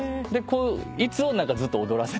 いつもずっと踊らせて。